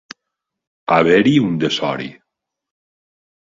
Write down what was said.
Haver-hi un desori.